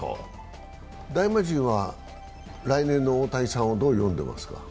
大魔神は来年の大谷さんをどう読んでますか？